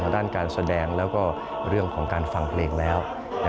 ด้านการแสดงแล้วก็เรื่องของการฟังเพลงแล้ว